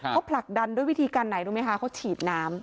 เขาผลักดันด้วยวิธีการไหนรู้ไหมคะเขาฉีดน้ำ